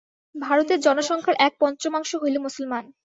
ভারতের জনসংখ্যার এক পঞ্চামাংশ হইল মুসলমান।